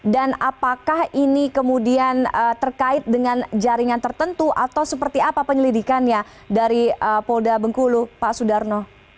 dan apakah ini kemudian terkait dengan jaringan tertentu atau seperti apa penyelidikannya dari polda bengkulu pak sudarno